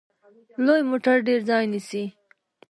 لوی موټر ډیر ځای نیسي.